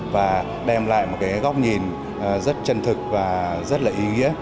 và đem lại một góc nhìn rất chân thực và rất ý nghĩa